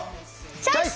チョイス！